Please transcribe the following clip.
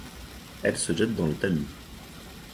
Elle se jette dans le Tamiš.